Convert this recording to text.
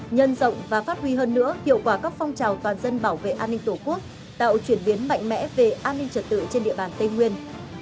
nhân rộng và phát huy hơn nữa hiệu quả các phong trào toàn dân bảo vệ an ninh tổ quốc tạo chuyển biến mạnh mẽ về an ninh trật tự trên địa bàn tây nguyên